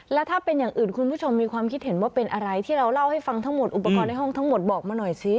แล้วถ้าเป็นอย่างอื่นคุณผู้ชมมีความคิดเห็นว่าเป็นอะไรที่เราเล่าให้ฟังทั้งหมดอุปกรณ์ในห้องทั้งหมดบอกมาหน่อยสิ